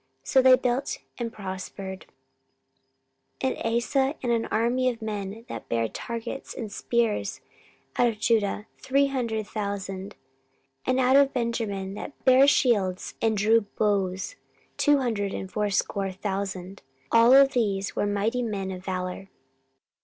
So they built and prospered. 14:014:008 And Asa had an army of men that bare targets and spears, out of Judah three hundred thousand; and out of Benjamin, that bare shields and drew bows, two hundred and fourscore thousand: all these were mighty men of valour.